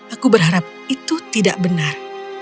aku berharap itu tidak benar